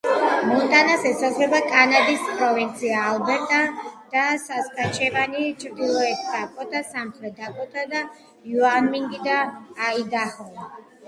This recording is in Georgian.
მონტანას ესაზღვრება კანადის პროვინცია ალბერტა და სასკაჩევანი, ჩრდილოეთ დაკოტა, სამხრეთ დაკოტა, უაიომინგი და აიდაჰო.